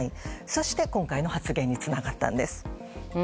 そして、今回の発言につながったんです。